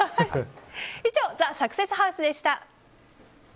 以上ＴＨＥサクセスハウスでした。